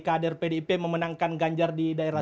kader pdip memenangkan ganjar di daerah